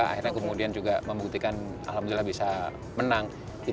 akhirnya kemudian juga membuktikan alhamdulillah bisa menang